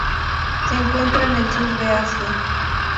Se encuentra en el sur de Asia.